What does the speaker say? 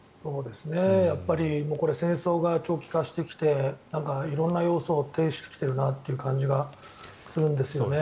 戦争が長期化してきて色んな様相を呈してきているなという感じがするんですよね。